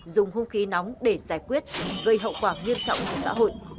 dùng hung khí nóng để giải quyết gây hậu quả nghiêm trọng cho xã hội